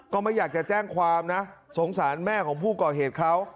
ก็ไม่อยากจะแจ้งความนะสงสารแม่ของผู้ก่อเหตุเขา